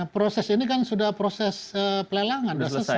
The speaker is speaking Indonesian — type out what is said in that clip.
nah proses ini kan sudah proses pelelangan udah selesai